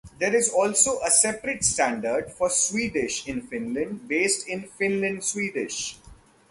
There is also a separate standard for Swedish in Finland based on Finland Swedish.